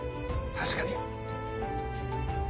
確かに。